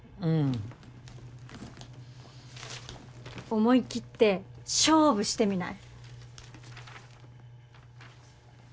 思い切って勝負してみない？